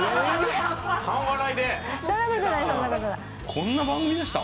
こんな番組でした？